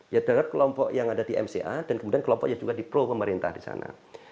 ya terhadap kelompok yang ada di mca dan kemudian kelompok yang juga di pro pemerintah di sana